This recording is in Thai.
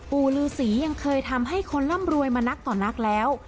ปู่ลือศรียังเคยทำให้คนร่ำรวยมานักต่อนักแล้ว